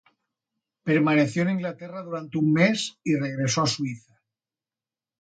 Permaneció en Inglaterra durante un mes y regresó a Suiza.